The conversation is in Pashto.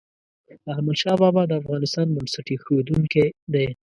احمد شاه بابا د افغانستان بنسټ ایښودونکی ده.